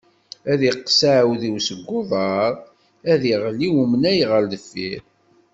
Ad iqqes aɛawdiw seg uḍar, ad iɣli umnay ɣer deffir.